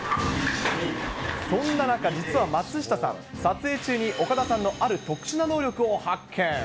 そんな中、実は松下さん、撮影中に岡田さんのある特殊な能力を発見。